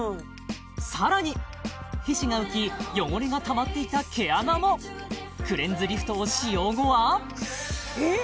さらに皮脂が浮き汚れがたまっていた毛穴もクレンズリフトを使用後はえっ！